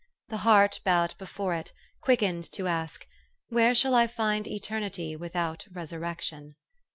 The heart bowed before it, quickened to ask, " Where shall I find eternity without resurrec tion?"